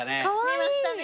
見ましたね。